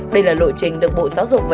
đây là lộ trình được bộ giáo dục mầm non